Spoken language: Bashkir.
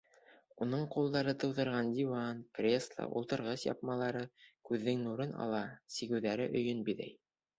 Уның ҡулдары тыуҙырған диван, кресло, ултырғыс япмалары күҙҙең нурын ала, сигеүҙәре өйөн биҙәй.